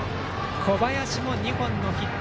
小林も２本のヒット。